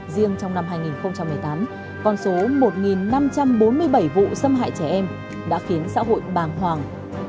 riêng trong năm hai nghìn một mươi tám con số một năm trăm bốn mươi bảy vụ xâm hại trẻ em đã khiến xã hội bàng hoàng